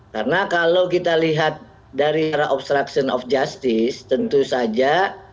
karena kalau kita lihat dari obstruction of justice tentu saja